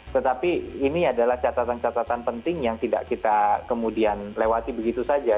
tetapi ini adalah catatan catatan penting yang tidak kita kemudian lewati begitu saja